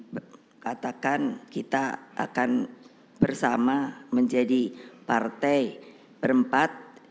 saya dikatakan kita akan bersama menjadi partai perempat